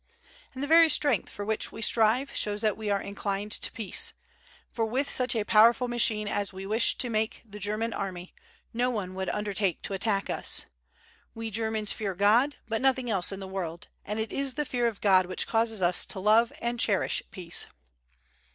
And the very strength for which we strive shows that we are inclined to peace; for with such a powerful machine as we wish to make the German army, no one would undertake to attack us. We Germans fear God, but nothing else in the world; and it is the fear of God which causes us to love and cherish peace."